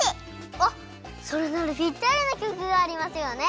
あっそれならぴったりのきょくがありますよね！